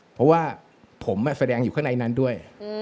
เพราะว่าผมแสดงอยู่ข้างในนั้นด้วย